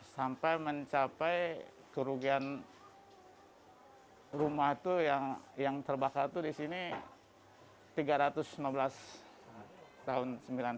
sampai mencapai kerugian rumah tuh yang terbakar tuh di sini tiga ratus sembilan belas tahun sembilan puluh satu